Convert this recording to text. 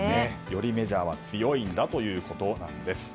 よりメジャーは強いんだということです。